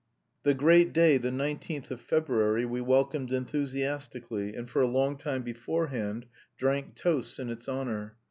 The great day, the nineteenth of February, we welcomed enthusiastically, and for a long time beforehand drank toasts in its honour.